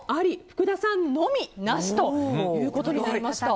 福田さんのみなしということになりました。